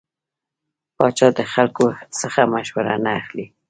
پاچا د خلکو څخه مشوره نه اخلي .